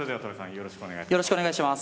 よろしくお願いします。